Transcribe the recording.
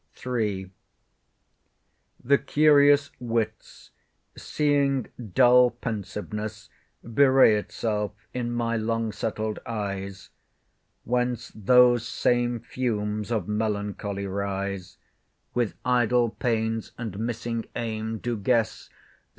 III The curious wits, seeing dull pensiveness Bewray itself in my long settled eyes, Whence those same fumes of melancholy rise, With idle pains, and missing aim, do guess.